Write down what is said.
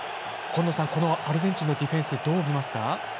今野さん、このアルゼンチンのディフェンス、どう見ますか？